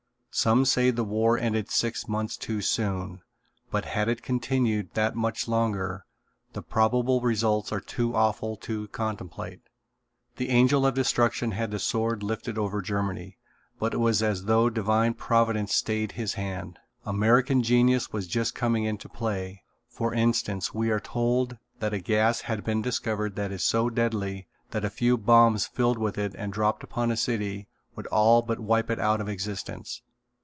Some say the war ended six months too soon, but had it continued that much longer, the probable results are too awful to contemplate. The Angel of Destruction had the sword lifted over Germany, but it was as though divine providence stayed his hand. American genius was just coming into play. For instance, we are told that a gas had been discovered that is so deadly that a few bombs filled with it and dropped upon a city would all but wipe it out of existence.